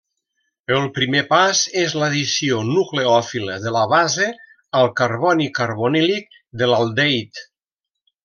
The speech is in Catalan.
El primer pas és l'addició nucleòfila de la base al carboni carbonílic de l'aldehid.